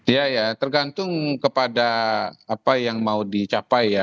ya ya tergantung kepada apa yang mau dicapai ya